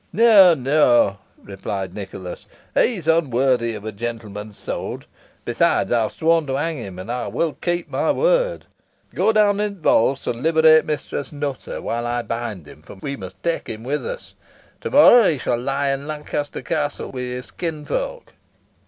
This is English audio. "No no," replied Nicholas, "he is unworthy of a gentleman's sword. Besides, I have sworn to hang him, and I will keep my word. Go down into the vaults and liberate Mistress Nutter, while I bind him, for we must take him with us. To morrow, he shall lie in Lancaster Castle with his kinsfolk."